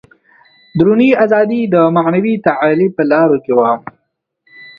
دروني ازادي د معنوي تعالي په لارو کې وه.